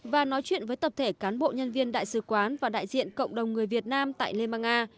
và nói chuyện với tập thể cán bộ nhân viên đại sứ quán và đại diện cộng đồng người việt nam tại liên bang nga